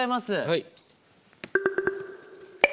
はい。